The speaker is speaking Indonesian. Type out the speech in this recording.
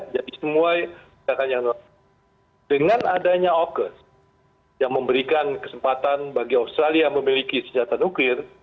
jadi semua dengan adanya aukus yang memberikan kesempatan bagi australia memiliki senjata nukil